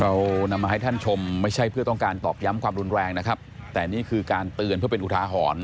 เรานำมาให้ท่านชมไม่ใช่เพื่อต้องการตอกย้ำความรุนแรงนะครับแต่นี่คือการเตือนเพื่อเป็นอุทาหรณ์